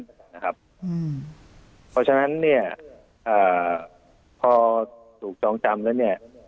เพราะฉะนั้นพอถูกจองจำแล้ว